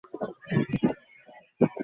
কাজটা সারতে কি এক ঘণ্টার বেশি লাগবে?